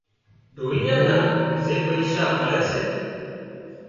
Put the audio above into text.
ڍوليئا نا زي پئيشا مۯي سي